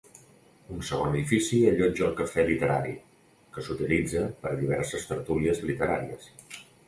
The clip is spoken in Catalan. Un segon edifici allotja el cafè literari, que s'utilitza per a diverses tertúlies literàries.